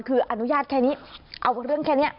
คืออนุญาตแค่นี้เอาเรื่องแค่นี้